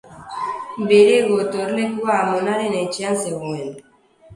Bere gotorlekua amonaren etxean zegoen.